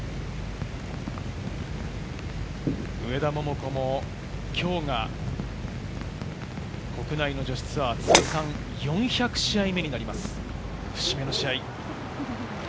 上田桃子も今日が国内の女子ツアー通算４００試合目になります、節目の試合。